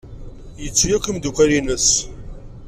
Yettu akk imeddukal-nnes.